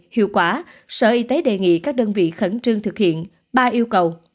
hiệu quả sở y tế đề nghị các đơn vị khẩn trương thực hiện ba yêu cầu